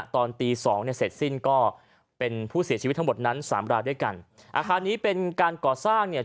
ตอนตีสองเนี่ยเสร็จสิ้นก็เป็นผู้เสียชีวิตทั้งหมดนั้นสามรายด้วยกันอาคารนี้เป็นการก่อสร้างเนี่ย